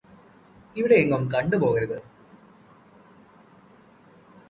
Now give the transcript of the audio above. ഇവിടെയെങ്ങും കണ്ടുപോകരുത്